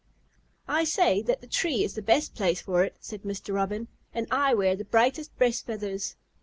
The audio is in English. "I say that the tree is the place for it," said Mr. Robin, "and I wear the brightest breast feathers."